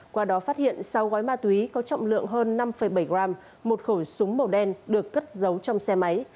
qua đó phát hiện sáu gói ma túy có trọng lượng hơn năm bảy gram một khẩu súng màu đen được cất giấu trong xe máy